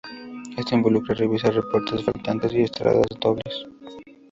Esto involucra revisar reportes faltantes y entradas dobles.